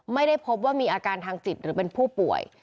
ไม่ได้พบว่ามีอาการทางจิตหรือเป็นผู้ป่วย